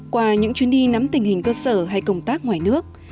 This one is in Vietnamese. qua những chuyến đi nắm tình hình cơ sở hay công tác ngoài nước